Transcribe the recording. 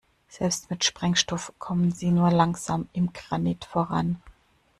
Selbst mit Sprengstoff kommen sie nur langsam im Granit voran.